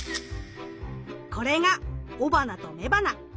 これが雄花と雌花。